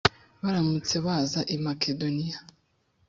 barambutse baza i makedoniya